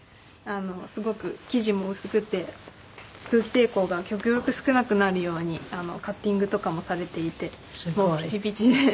すごく生地も薄くて空気抵抗が極力少なくなるようにカッティングとかもされていてピチピチでやっています。